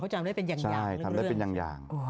เค้าจำได้เป็นอย่าง